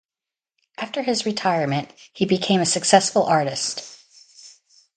After his retirement he became a successful artist.